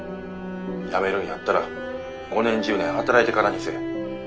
辞めるんやったら５年１０年働いてからにせえ。